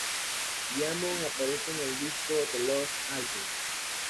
Diamond aparece en el disco "The Lost Album".